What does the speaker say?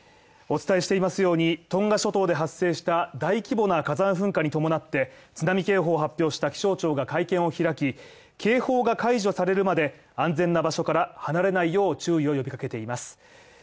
お伝えしていますように、トンガ諸島で発生した大規模な火山噴火に伴って、津波警報を発表した気象庁が会見を開き、警報が解除されるまで安全な場所から離れないよう注意を呼びかけています。